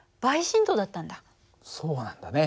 そうなんだね。